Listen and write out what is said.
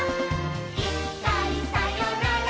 「いっかいさよなら